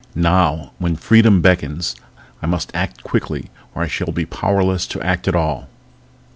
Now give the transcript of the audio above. Now, when freedom beckons, I must act quickly or I shall be powerless to act at all.